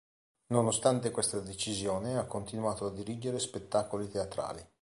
Nonostante questa decisione, ha continuato a dirigere spettacoli teatrali.